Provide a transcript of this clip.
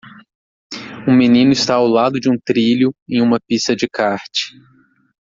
Um menino está ao lado de um trilho em uma pista de kart.